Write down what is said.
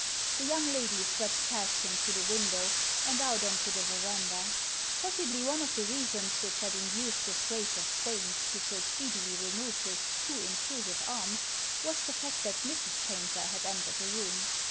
The young lady swept past him through the window and out on to the verandah. Possibly one of the reasons which had induced his Grace of Staines to so speedily remove his too in trusive arm was the fact that Mrs. Paynter had entered the room.